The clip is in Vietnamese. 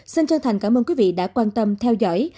xin chân thành cảm ơn quý vị đã quan tâm theo dõi